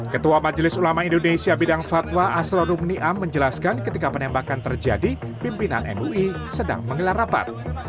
ketua majelis ulama indonesia bidang fatwa asro rumniam menjelaskan ketika penembakan terjadi pimpinan mui sedang mengelar rapat